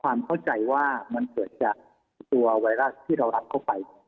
ความเข้าใจว่ามันเกิดจากตัวไวรัสที่เรารัดเข้าไป